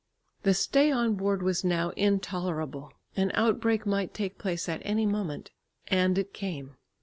The stay on board was now intolerable. An outbreak might take place at any moment. And it came.